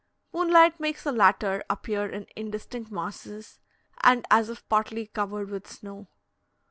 Moonlight makes the latter appear in indistinct masses, and as if partly covered with snow.